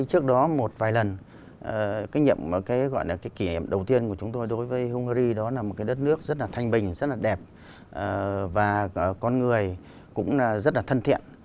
trước đó một vài lần cái kỷ niệm đầu tiên của chúng tôi đối với hungary đó là một đất nước rất là thanh bình rất là đẹp và con người cũng rất là thân thiện